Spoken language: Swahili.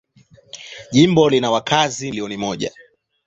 Jimbo lina wakazi milioni moja.